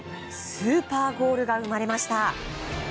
スーパーゴールが生まれました！